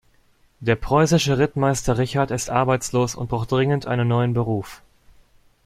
Der preußische Rittmeister Richard ist arbeitslos und braucht dringend einen neuen Beruf.